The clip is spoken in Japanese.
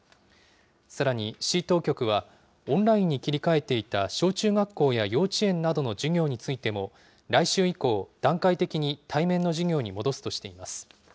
さらに、市当局は、オンラインに切り替えていた小中学校や幼稚園などの授業についても、来週以降、段階的に対面の授業に戻すとしています。